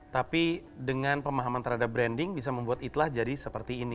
tapi dengan pemahaman terhadap branding bisa membuat itlah jadi seperti ini